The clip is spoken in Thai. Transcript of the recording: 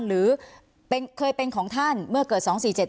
หรือเคยเป็นของท่านเมื่อเกิด๒๔๗